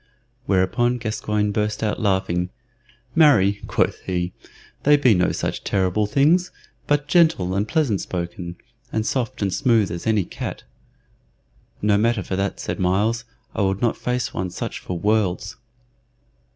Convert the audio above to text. Whereupon Gascoyne burst out laughing. "Marry!" quoth he, "they be no such terrible things, but gentle and pleasant spoken, and soft and smooth as any cat." "No matter for that," said Myles; "I would not face one such for worlds."